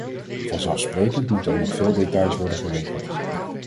Vanzelfsprekend moeten er nog veel details worden geregeld.